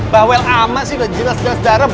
bawel ama sih udah jelas jelas darah